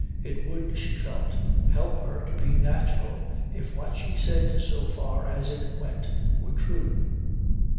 It would, she felt, help her to be natural if what she said so far as it went were true.